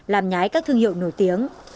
làm nhái các thương hiệu nổi tiếng